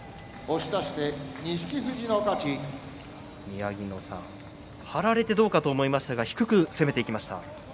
宮城野さん張られてどうかと思いましたが低く攻めていきました。